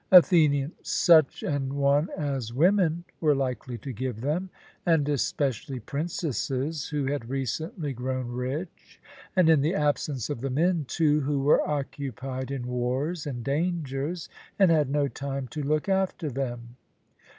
ATHENIAN: Such an one as women were likely to give them, and especially princesses who had recently grown rich, and in the absence of the men, too, who were occupied in wars and dangers, and had no time to look after them.